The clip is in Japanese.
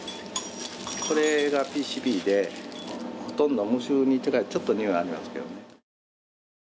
これがＰＣＢでほとんど無臭に近い、ちょっと匂いありますけど。